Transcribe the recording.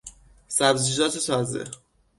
سبزیجات تازه